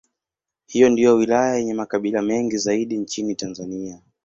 Hii ndiyo wilaya yenye makabila mengi zaidi nchini Tanzania.